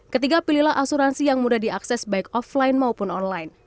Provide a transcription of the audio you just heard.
ketiga pilihlah asuransi yang mudah diakses baik offline maupun online